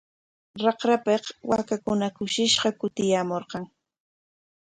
Raqrapik waakakuna kushishqa kutiyaamurqan.